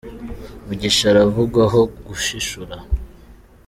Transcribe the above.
mugisha aravugwaho ’Gushishura’